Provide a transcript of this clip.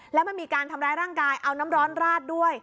แล้วมันมีการทำร้ายร่างกายเอาน้ำร้อนราดด้วย